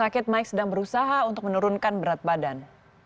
sakit mike sedang berusaha untuk menurunkan berat badan